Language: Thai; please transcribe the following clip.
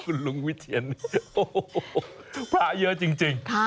คุณลุงวิเทียนพระเยอะจริง